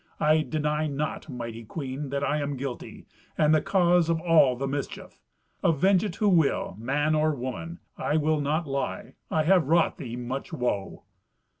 I deny not, mighty queen, that I am guilty, and the cause of all the mischief. Avenge it who will, man or woman. I will not lie; I have wrought thee much woe."